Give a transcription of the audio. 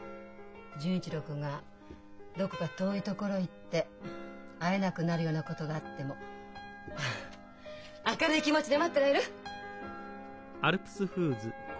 純一郎君がどこか遠い所へ行って会えなくなるようなことがあっても明るい気持ちで待ってられる？